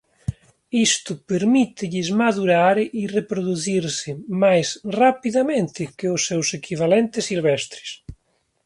Isto permítelles madurar e reproducirse máis rapidamente que os seus equivalentes silvestres.